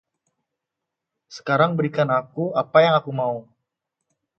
Sekarang berikan aku apa yang aku mau.